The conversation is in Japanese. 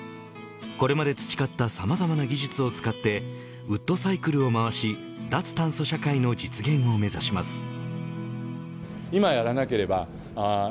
これまで培ったさまざまな技術を使ってウッドサイクルをまわし脱炭素社会の実現を目指します。